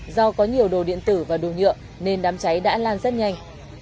do có nhiều đồ điện tử và đồ nhựa nên đám cháy đã lan rất nhanh